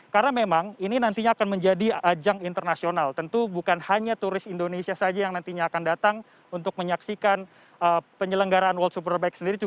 karena memang ini nantinya akan menjadi ajang internasional tentu bukan hanya turis indonesia saja yang nantinya akan datang untuk menyaksikan penyelenggaraan world superbike sendiri